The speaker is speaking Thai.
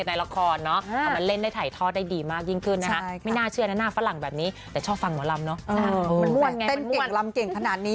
ได้ค่ะทำได้หมดให้พิงพลอยทำอะไรพิงพลอยทำได้หมดเลย